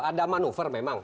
ada manuver memang